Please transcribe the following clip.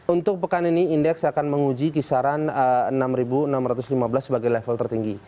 untuk pekan ini indeks akan menguji kisaran enam enam ratus lima belas sebagai level tertinggi